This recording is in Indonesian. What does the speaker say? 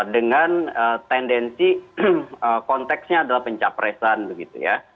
dengan tendensi konteksnya adalah pencapresan begitu ya